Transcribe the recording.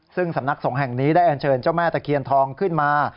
ซึ่งสำนักสงฆ์แห่งนี้ได้อันเชิญเจ้าแม่ตะเคียนทองขึ้นมา